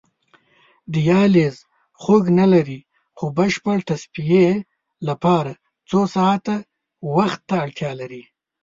دیالیز خوږ نه لري خو بشپړې تصفیې لپاره څو ساعته وخت ته اړتیا لري.